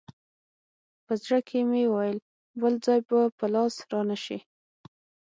په زړه کښې مې وويل بل ځاى به په لاس را نه سې.